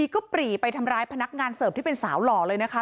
ก็ปรีไปทำร้ายพนักงานเสิร์ฟที่เป็นสาวหล่อเลยนะคะ